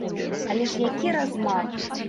Але ж які размах!